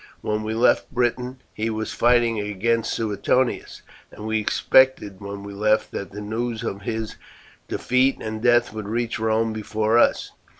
When we left Britain he was fighting against Suetonius, and we expected when we left that the news of his defeat and death would reach Rome before us.